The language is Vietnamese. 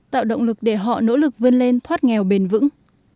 tạo động lực để họ nỗ lực vươn lên thoát nghèo bền vững